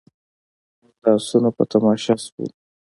موږ د اسونو په تماشه شوو.